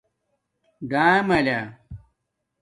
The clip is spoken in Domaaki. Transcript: ڈآملہ